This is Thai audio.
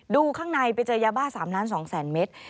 ดูข้างในไปเจอยาบ้า๓๒๐๐๐เมตร